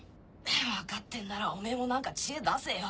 分かってんならおめぇも何か知恵出せよ。